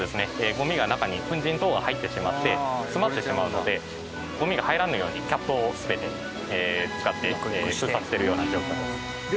ゴミが中に粉じん等が入ってしまって詰まってしまうのでゴミが入らぬようにキャップを全て使って封鎖しているような状況です。